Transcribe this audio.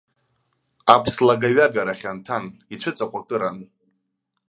Аԥслагаҩагара хьанҭан, ицәыҵаҟәыкыран.